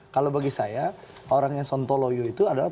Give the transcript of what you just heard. kalau bagi saya orang yang sontoloyo itu adalah